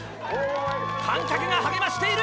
観客が励ましている！